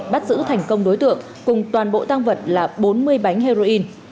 bắt giữ thành công đối tượng cùng toàn bộ tăng vật là bốn mươi bánh heroin